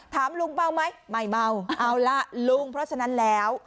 ถามลุงเมาไหมไม่เมาเอาล่ะลุงเพราะฉะนั้นแล้ว